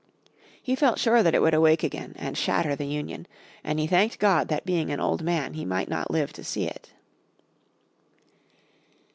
He felt sure that it would awake again and shatter the Union, and he thanked God that being an old man he might not live to see it.